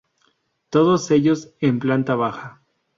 Todos ellos en planta baja.